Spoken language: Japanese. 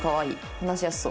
話しやすそう」。